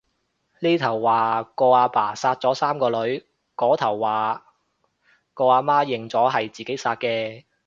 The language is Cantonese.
呢頭話個阿爸殺咗三個女，嗰頭話個阿媽認咗係自己殺嘅